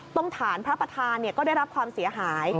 ตรงฐานพระประธานก็ได้รับความเสียหาย